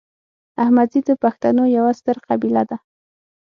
احمدزي د پښتنو یوه ستره قبیله ده